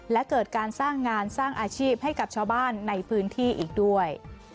และเกิดการสร้างงานสร้างอาชีพให้กับชาวบ้านในพื้นที่อีกด้วย